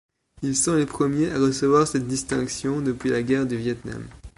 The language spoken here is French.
Ils sont les premiers à recevoir cette distinction depuis la guerre du Viêtnam.